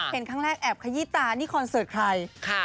เห็นครั้งแรกแอบขยี้ตานี่คอนเสิร์ตใคร